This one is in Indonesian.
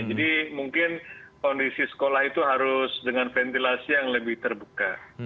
jadi mungkin kondisi sekolah itu harus dengan ventilasi yang lebih terbuka